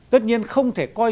tất nhiên không thể coi